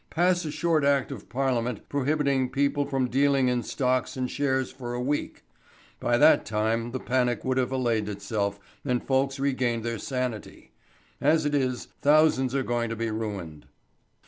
Pass a short Act of Parliament prohibiting people from dealing in stocks and shares for a week. By that time the panic would have allayed itself and folks regained their sanity. As it is, thousands are going to be ruined.